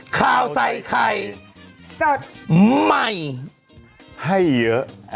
ข่าวใส่ไข่สดใหม่ให้เยอะ